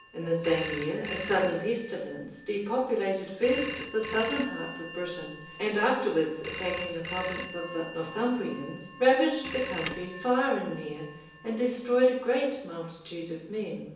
In the same year, a sudden pestilence(485) depopulated first the southern parts of Britain, and afterwards attacking the province of the Northumbrians, ravaged the country far and near, and destroyed a great multitude of men.